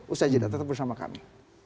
ustaz jeddah tetap bersama kami